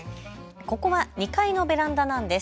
ここは２階のベランダなんです。